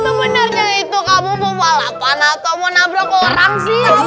sebenarnya itu kamu mau balapan atau mau nabrak orang sih